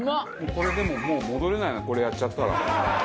これでももう戻れないなこれやっちゃったら。